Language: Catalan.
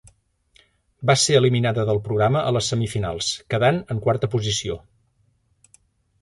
Va ser eliminada del programa a les semifinals, quedant en quarta posició.